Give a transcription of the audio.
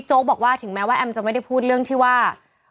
บอกว่าถึงแม้ว่าแอมจะไม่ได้พูดเรื่องที่ว่า